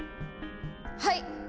はい！